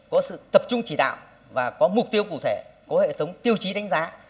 có sự tập trung chỉ đạo và có mục tiêu cụ thể có hệ thống tiêu chí đánh giá